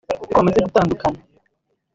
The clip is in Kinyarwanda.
kuko bamaze gutandukana